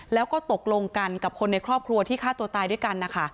แล้วก็ตกลงกันกับคนในครอบครัวที่ฆ่าตัวตายด้วยกันนะคะ